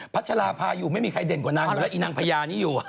ัชราภาอยู่ไม่มีใครเด่นกว่านางอยู่แล้วอีนางพญานี้อยู่